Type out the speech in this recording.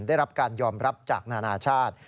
ได้รับการยอมรับจากนานาชาติ